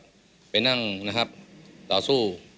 กลายนั่งตอบสู้